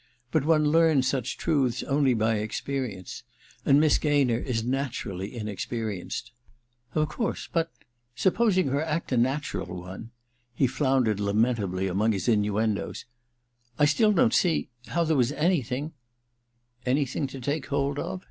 But one learns such f truths only by experience ; and Miss Gaynor is naturally inexperienced.' * Of course — but — supposing her act a natural one' — he floundered lamentably among his innuendoes —* I still don't see — ^how there was anything—' * Anything to take hold of?